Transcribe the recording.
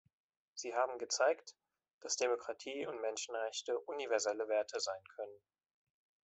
Sie haben gezeigt, dass Demokratie und Menschenrechte universelle Werte sein können.